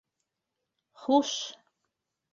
Хуш!